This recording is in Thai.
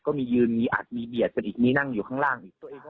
ก็มียืนมีอัดมีเบียดมีนั่งอยู่ข้างล่าง